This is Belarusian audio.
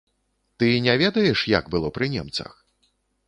Ты не ведаеш, як было пры немцах?